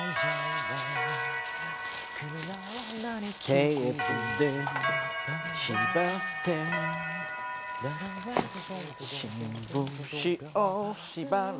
「テープでしばって」「新聞紙をしばる」